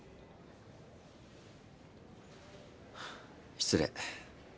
失礼。